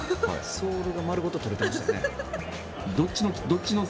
ソールが丸ごと取れてましたね。